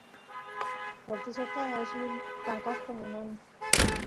tortillata alli kankasqa munani